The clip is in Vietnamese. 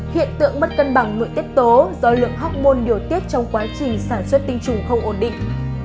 hiện tượng mất cân bằng nội tết tố do lượng hormon điều tiết trong quá trình sản xuất tinh trùng không ổn định